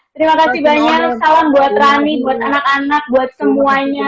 terima kasih banyak salam buat rani buat anak anak buat semuanya